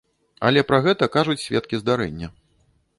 Але пра гэта кажуць сведкі здарэння.